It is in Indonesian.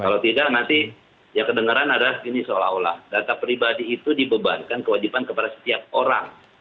kalau tidak nanti yang kedengeran adalah ini seolah olah data pribadi itu dibebankan kewajiban kepada setiap orang